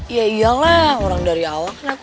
ya iyalah orang dari awal